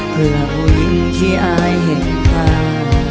เพื่อผู้ยิ้มที่อายเห็นค่า